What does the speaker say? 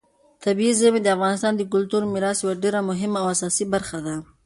طبیعي زیرمې د افغانستان د کلتوري میراث یوه ډېره مهمه او اساسي برخه ده.